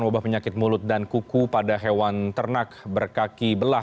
wabah penyakit mulut dan kuku pada hewan ternak berkaki belah